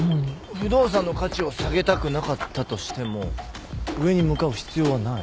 不動産の価値を下げたくなかったとしても上に向かう必要はない。